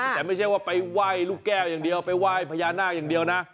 แต่ไม่ใช่ว่าไปไหว้ลูกแก้วอย่างเดียวไปไหว้พญานาคอย่างเดียวนะ